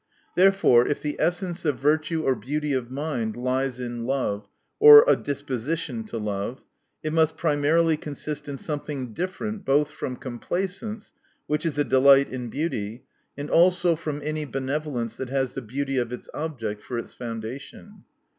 Therefore if the essence of virtue or beauty of mind lies in love, or a dispo sition to love, it must primarily consist in something different both from com placence, which i<* a delight in beauty, and also from any benevolence that has the beauty of its cbject for its foundation.